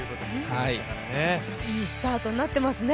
いいスタートになってますね。